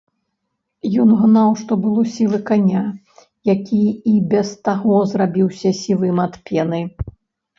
Ён гнаў што было сілы каня, які і без таго зрабіўся сівым ад пены.